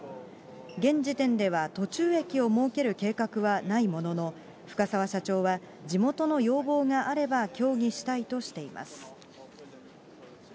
現時点では途中駅を設ける計画はないものの、深澤社長は、地元の要望があれば協議したいとしています。